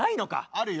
あるよ。